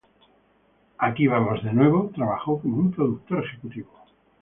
Here We Go Again, trabajo como un productor ejecutivo.